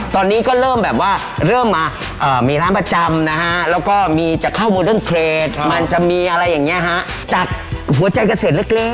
ตอนนี้ก็เริ่มแบบว่าเริ่มมามีร้านประจำนะฮะแล้วก็มีจะเข้าโมเดิร์นเทรดมันจะมีอะไรอย่างนี้ฮะจากหัวใจเกษตรเล็ก